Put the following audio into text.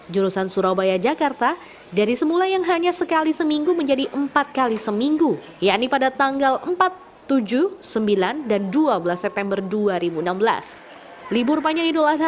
jurusan surabaya jakarta